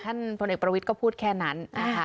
พลเอกประวิทย์ก็พูดแค่นั้นนะคะ